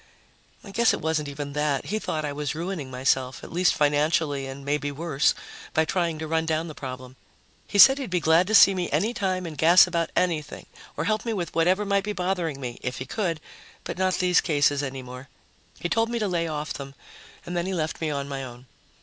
I guess it wasn't even that he thought I was ruining myself, at least financially and maybe worse, by trying to run down the problem. He said he'd be glad to see me any time and gas about anything or help me with whatever might be bothering me, if he could, but not these cases any more. He told me to lay off them, and then he left me on my own.